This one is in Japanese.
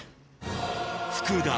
福田